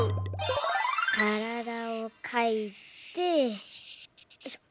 からだをかいてよいしょ。